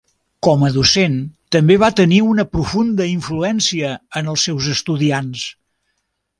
Com a docent també va tenir una profunda influència en els seus estudiants.